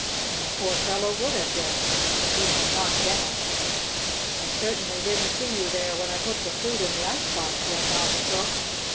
And the poor fellow would have been, if he had not danced. "I certainly didn't see you there when I put the fruit in the ice box," went on the cook.